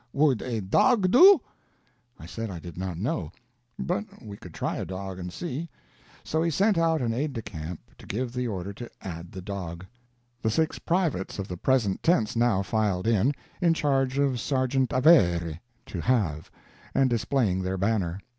Would a dog do?" I said I did not know, but we could try a dog and see. So he sent out an aide de camp to give the order to add the dog. The six privates of the Present Tense now filed in, in charge of Sergeant Avere (to have), and displaying their banner.